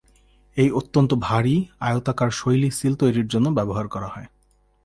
এই অত্যন্ত ভারী, আয়তাকার শৈলী সীল তৈরির জন্য ব্যবহার করা হয়।